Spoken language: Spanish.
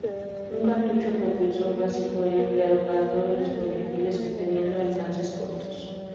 Un cartucho propulsor básico era empleado para todos los proyectiles, obteniendo alcances cortos.